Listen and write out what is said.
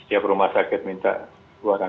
setiap rumah sakit minta rp dua ratus an